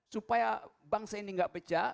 supaya bangsa ini enggak pecah